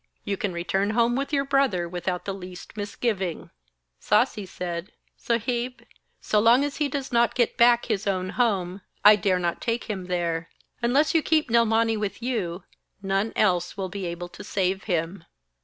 You can return home with your brother without the least misgiving.' Sasi said: 'Saheb, so long as he does not get back his own home, I dare not take him there. Unless you keep Nilmani with you, none else will be able to save him.'